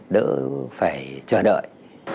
đỡ phải chờ đợi